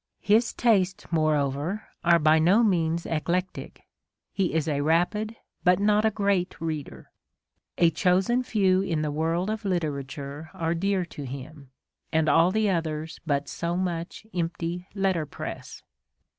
His tastes, more over, are by no means eclectic : he is a rapid but not a great reader. A chosen few in the world of literature are dear to him, and all the others but so much empty letterpress.